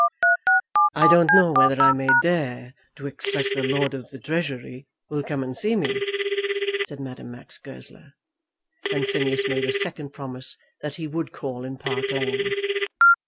"I don't know whether I may dare to expect that a Lord of the Treasury will come and see me?" said Madame Max Goesler. Then Phineas made a second promise that he would call in Park Lane.